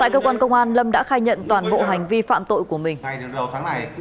tại cơ quan công an lâm đã khai nhận toàn bộ hành vi phạm tội của mình